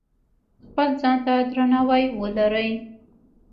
خپل ځان ته درناوی ولرئ.